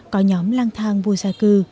có nhóm lang thang vô gia cư